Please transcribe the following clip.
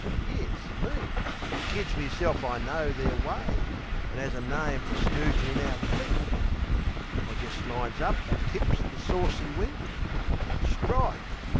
Yes, me, that kids meself I know their ways, An' 'as a name for smoogin' in our click! I just lines up an' tips the saucy wink. But strike!